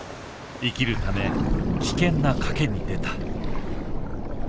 生きるため危険な賭けに出た。